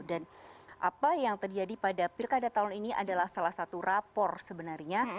dan apa yang terjadi pada pilkada tahun ini adalah salah satu rapor sebenarnya